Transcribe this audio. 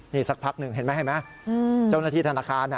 นี่สักพักหนึ่งเห็นไหมเห็นไหมเจ้าหน้าที่ธนาคาร